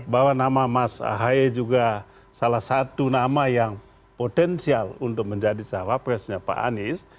bahwa nama mas ahy juga salah satu nama yang potensial untuk menjadi cawapresnya pak anies